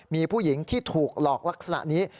มีผู้หญิงที่ถูกหลอกลักษณะนี้